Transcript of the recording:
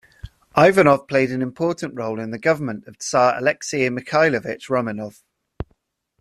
Ivanov played an important role in the government of tsar Alexey Mikhailovich Romanov.